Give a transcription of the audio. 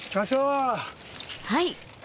はい！